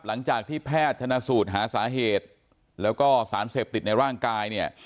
หลังจากที่แพทย์ชนะสูตรหาสาเหตุแล้วก็สารเสพติดในร่างกายเนี่ย